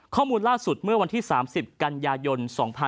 ข้อมูลล่าสุดเมื่อวันที่๓๐กันยายน๒๕๖๒